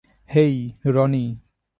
হেই, Roni.